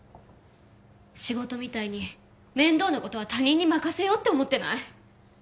仕事みたいに面倒なことは他人に任せようって思ってない？